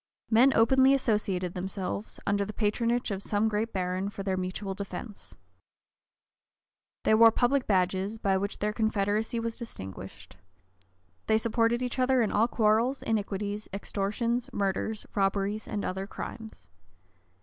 Men openly associated themselves, under the patronage of some great baron, for their mutual defence. They wore public badges, by which their confederacy was distinguished. They supported each other in all quarrels, iniquities, extortions, murders, robberies, and other crimes.